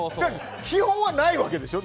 基本はないわけでしょ。